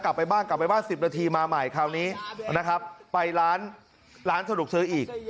กลับไปบ้านกลับไปบ้าน๑๐นาทีมาใหม่คราวนี้นะครับไปร้านร้านสะดวกซื้ออีก